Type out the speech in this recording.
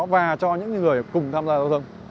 và cho những người cùng tham gia lưu thông